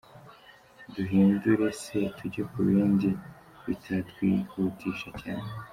Duhindure se tujye ku bindi bitatwihutisha cyane?